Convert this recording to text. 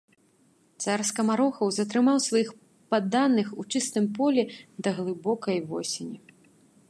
Цар скамарохаў затрымаў сваіх падданых у чыстым полі да глыбокай восені.